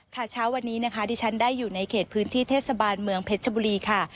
เช้าวันนี้นะคะที่ฉันได้อยู่ในเขตพื้นที่เทศบาลเมืองเพชรชบุรีค่ะ